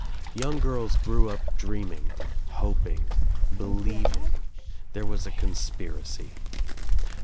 Young girls grew up dreaming, hoping, believing. There was a conspiracy.